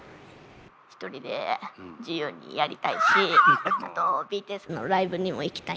一人で自由にやりたいしあとＢＴＳのライブにも行きたい。